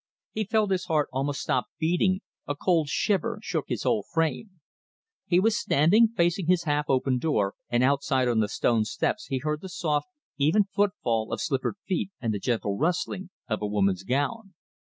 He felt his heart almost stop beating, a cold shiver shook his whole frame. He was standing facing his half open door, and outside on the stone steps he heard the soft, even footfall of slippered feet, and the gentle rustling of a woman's gown.